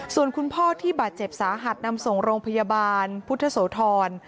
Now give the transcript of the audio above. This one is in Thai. ส่วนคุณพ่อที่บาดเจ็บสาหัสนำส่งโรงพยาบาลพุทธโสธร